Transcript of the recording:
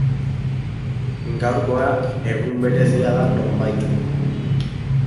Gaurkoa egun berezia da nonbait.